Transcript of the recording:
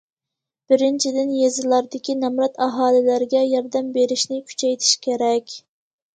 بىرىنچىدىن، يېزىلاردىكى نامرات ئاھالىلەرگە ياردەم بېرىشنى كۈچەيتىش كېرەك.